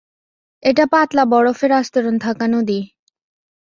এটা পাতলা বরফের আস্তরণ থাকা নদী।